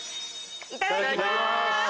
いただきます！